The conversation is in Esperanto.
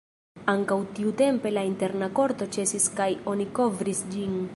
Ankaŭ tiutempe la interna korto ĉesis kaj oni kovris ĝin.